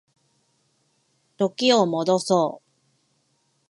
時を戻そう